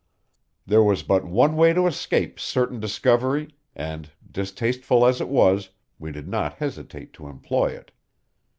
There was but one way to escape certain discovery; and distasteful as it was, we did not hesitate to employ it.